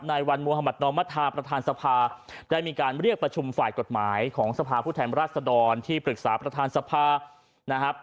ในวันมุธมัธนอมธาประธานสภาได้มีการเรียกประชุมฝ่ายกฎหมายของสภาพผู้แทนราชดรที่ปรึกษาประธานสภานะครับ